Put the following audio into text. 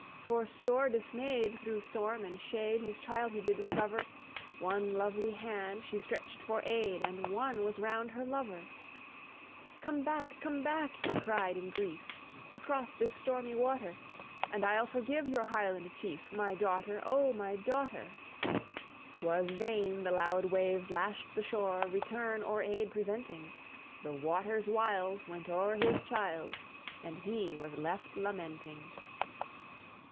For sore dismay'd through storm and shade, His child he did discover: One lovely hand she stretch'd for aid, And one was round her lover. "Come back! come back!" he cried in grief, "Across this stormy water: And I'll forgive your Highland chief, My daughter! oh my daughter!" 'Twas vain the loud waves lashed the shore, Return or aid preventing; The waters wild went o'er his child, And he was left lamenting.